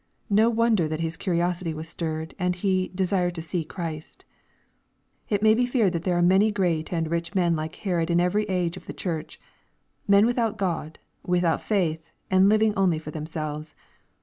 No wonder that his curiosity was stirred, and he "de sired to see Christ/' It may be feared that there are many great and rich men like Herod in every age of the church, men without Gh)d, without faith, and living only for themselves.